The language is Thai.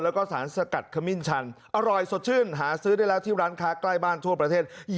แล้วก็สารสกัดขมิ้นชันอร่อยสดชื่นหาซื้อได้แล้วที่ร้านค้าใกล้บ้านทั่วประเทศ